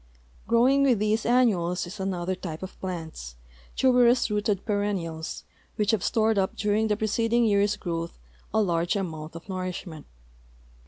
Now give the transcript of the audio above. Growing with these annuals is another type of plants, tuberous rooted perennials, whicb have stored u[) during the preceding year's growth a large amount of nourishment.